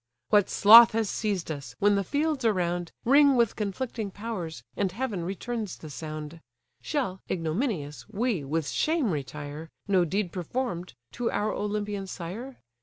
"What sloth has seized us, when the fields around Ring with conflicting powers, and heaven returns the sound: Shall, ignominious, we with shame retire, No deed perform'd, to our Olympian sire?